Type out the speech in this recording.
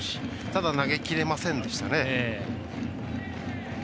ただ、投げ切れませんでしたね。